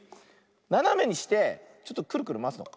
ななめにしてちょっとくるくるまわすの。